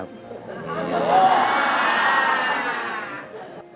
บุคคล